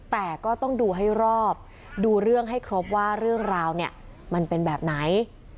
แต่ก็ต้องดูให้รอบดูเรื่องให้ครบว่าเรื่องราวเนี่ยมันเป็นแบบไหน